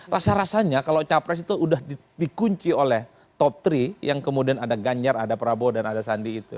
rasa rasanya kalau capres itu sudah dikunci oleh top tiga yang kemudian ada ganjar ada prabowo dan ada sandi itu